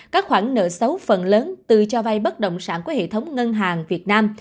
các khoản nợ xấu phần lớn từ cho vay bất động sản của hệ thống ngân hàng việt nam